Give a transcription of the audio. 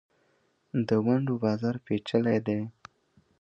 د ونډو بازار پېچلی دی.